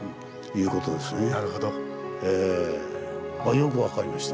よく分かりました。